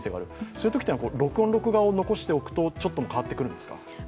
そういうときっていうのは録音・録画を残しておくとちょっとは変わってくるんですか。